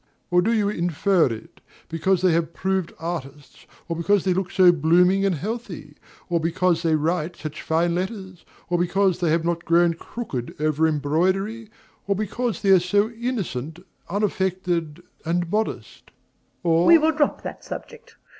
or do you infer it, because they have proved artists, or because they look so blooming and healthy, or because they write such fine letters, or because they have not grown crooked over embroidery, or because they are so innocent, unaffected, and modest? or MRS. S. (irritably). We will drop that subject.